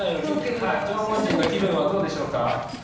はい縄文人の気分はどうでしょうか？